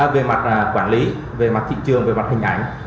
về mặt quản lý về mặt thị trường về mặt hình ảnh